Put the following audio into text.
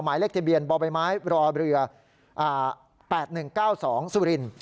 หมายเลขทะเบียนบ่อใบไม้รอเรือ๘๑๙๒สุรินทร์